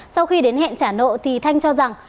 sau khi đến hẹn trả nộ thanh cho rằng